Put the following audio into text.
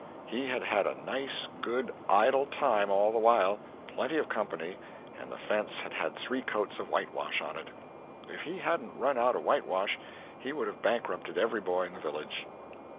He had had a nice, good, idle time all the while—plenty of company—and the fence had three coats of whitewash on it! If he hadn't run out of whitewash he would have bankrupted every boy in the village.